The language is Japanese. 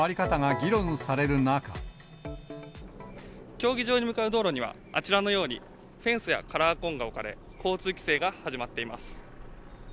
競技場に向かう道路には、あちらのように、フェンスやカラーコーンが置かれ、交通規制が始まっています。